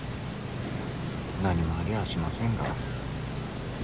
何もありゃあしませんが。